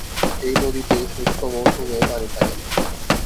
এই নদীতে শুষ্ক মৌসুমে পানি থাকে না।